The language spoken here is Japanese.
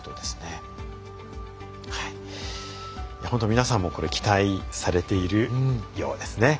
皆さんも期待されているようですね。